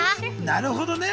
なるほどね。